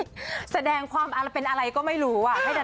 โอ้ยแสดงความเป็นอะไรก็ไม่รู้